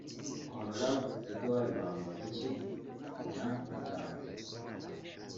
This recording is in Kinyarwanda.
Hon Eduard Bamporiki na madam)